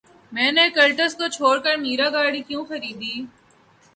میں نے کلٹس کو چھوڑ کر میرا گاڑی کیوں خریدی